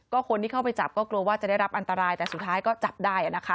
ก็คนที่เข้าไปจับก็กลัวว่าจะได้รับอันตรายแต่สุดท้ายก็จับได้นะคะ